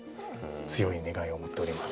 強い願いを持っております。